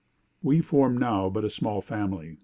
"'We formed now but a small family.